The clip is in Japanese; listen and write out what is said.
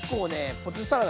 ポテトサラダ